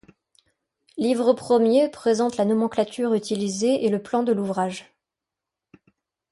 Livre premier présente la nomenclature utilisée et le plan de l'ouvrage.